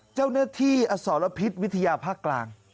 เจ้าหน้าที่อสรพิษวิทยาภาคกลาง